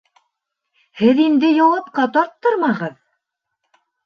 Һеҙ инде яуапҡа тарттырмағыҙ.